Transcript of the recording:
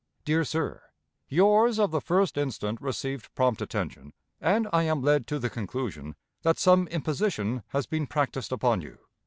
"Dear Sir: Yours of the 1st instant received prompt attention, and I am led to the conclusion that some imposition has been practiced upon you.